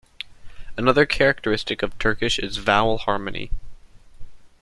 Another characteristic of Turkish is vowel harmony.